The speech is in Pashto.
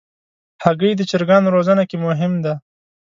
هګۍ د چرګانو روزنه کې مهم ده.